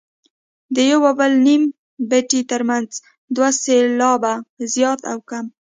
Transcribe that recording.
د یو او بل نیم بیتي ترمنځ دوه سېلابه زیات او کم.